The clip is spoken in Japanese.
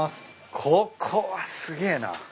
ここはすげえな。